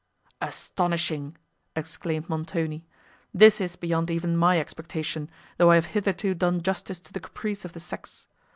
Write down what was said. "Astonishing!" exclaimed Montoni: "this is beyond even my expectation, though I have hitherto done justice to the caprice of the sex!